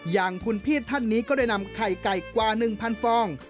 อย่างคุณพี่ท่านนี้ก็ได้นำไข่ไก่กว่า๑๐๐ฟอง